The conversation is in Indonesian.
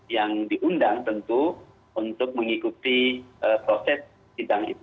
yang diundang tentu untuk mengikuti proses sidang itu